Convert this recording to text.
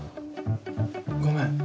ごめん。